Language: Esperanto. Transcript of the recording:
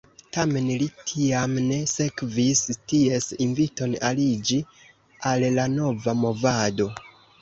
Tamen li tiam ne sekvis ties inviton aliĝi al la nova movado.